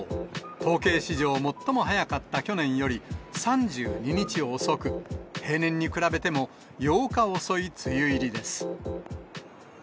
統計史上最も早かった去年より３２日遅く、平年に比べても８日遅い梅雨入りです。